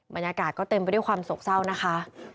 บรรยากาศก็เต็มไปด้วยความโศกเศร้านะคะ